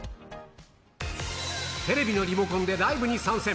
テレビのリモコンでライブに参戦。